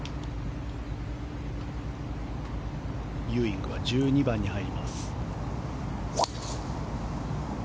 ユーイングは１２番に入ります。